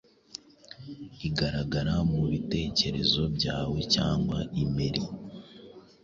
igaragara mubitekerezo byawe cyangwa imeri,